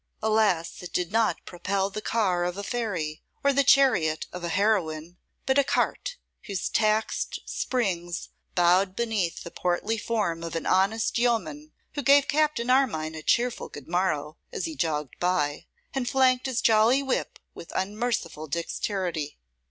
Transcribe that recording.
Alas! it did not propel the car of a fairy, or the chariot of a heroine, but a cart, whose taxed springs bowed beneath the portly form of an honest yeoman who gave Captain Armine a cheerful good morrow as he jogged by, and flanked his jolly whip with unmerciful dexterity.